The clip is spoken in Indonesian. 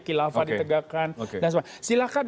hilafah ditegakkan silahkan